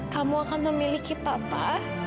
kamu akan memiliki papa